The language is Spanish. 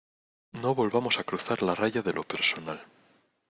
no volvamos a cruzar la raya de lo personal.